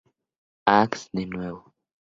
Ax de nuevo.